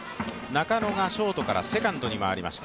中野がショートからセカンドに回りました。